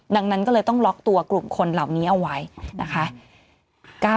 ดังนั้นก็เลยต้องล็อกตัวกลุ่มคนเหล่านี้เอาไว้นะคะ